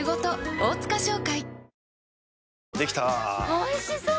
おいしそう！